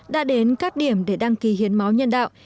đã đến các điểm để đăng ký hiến máu nhân đạo